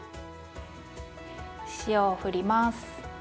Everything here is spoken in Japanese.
塩をふります。